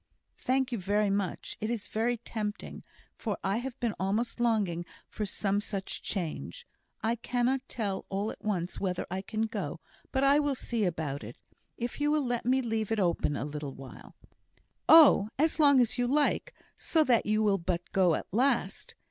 "Thank you very much. It is very tempting; for I have been almost longing for some such change. I cannot tell all at once whether I can go; but I will see about it, if you will let me leave it open a little." "Oh! as long as you like, so that you will but go at last.